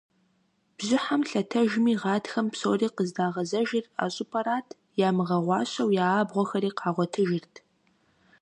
Бжьыхьэм лъэтэжми, гъатхэм псори къыздагъэзэжыр а щӏыпӏэрат, ямыгъэгъуащэу я абгъуэхэри къагъуэтыжырт.